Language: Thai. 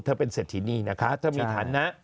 เธอเป็นเศรษฐีนี่นะคะเธอมีฐานะ